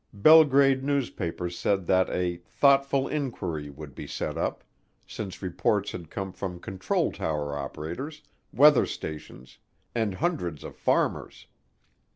Belgrade newspapers said that a "thoughtful inquiry" would be set up, since reports had come from "control tower operators, weather stations and hundreds of farmers."